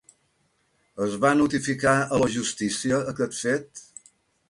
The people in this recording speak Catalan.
Es va notificar a la justícia aquest fet?